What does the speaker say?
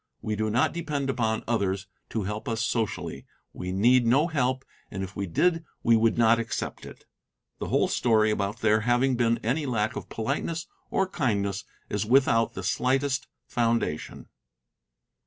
We do not depend upon others to help us socially; we need no help, and if we did we would not accept it. The whole story about there having been any lack of politeness or kindness is without the slightest foundation.